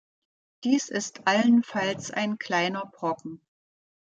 Dies ist allenfalls ein kleiner Brocken.